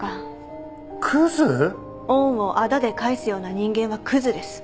恩をあだで返すような人間はクズです。